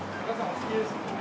お好きですか？